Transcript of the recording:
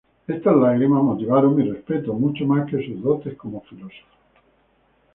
Estas lágrimas motivaron mi respeto, mucho más que sus dotes como filósofa.